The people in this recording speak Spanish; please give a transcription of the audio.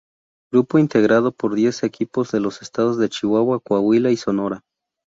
Grupo integrado por diez equipos de los estados de Chihuahua, Coahuila y Sonora.